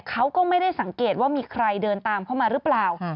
เขาก็ไม่ได้สังเกตว่ามีใครเดินตามเข้ามาหรือเปล่า